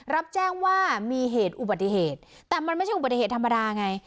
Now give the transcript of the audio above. รับแจ้งว่ามีเหตุอุบัติเหตุแต่มันไม่ใช่อุบัติเหตุธรรมดาไง